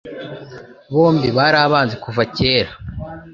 Bombi bari abanzi kuva kera.